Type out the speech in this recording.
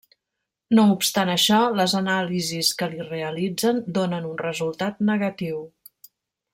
No obstant això, les anàlisis que li realitzen donen un resultat negatiu.